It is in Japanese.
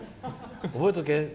覚えとけ。